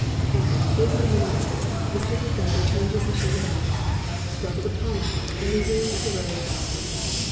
And, ignominiously, Mr. Hoopdriver turned his machine about, struggled upon it, and resumed the road southward.